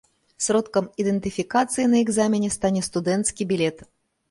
Сродкам ідэнтыфікацыі на экзамене стане студэнцкі білет.